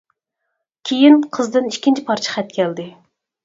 كېيىن، قىزدىن ئىككىنچى پارچە خەت كەلدى.